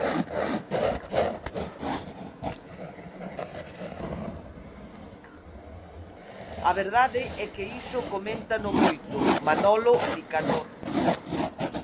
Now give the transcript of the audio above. A verdade é que iso coméntano moito, Manolo, Nicanor...